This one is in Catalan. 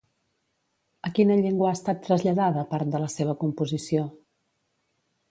A quina llengua ha estat traslladada part de la seva composició?